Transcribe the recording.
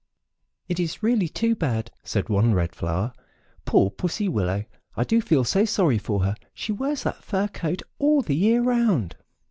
"It is really too bad," said one Red Flower. "Poor Pussy Willow! I do feel so sorry for her; she wears that fur coat all the year round."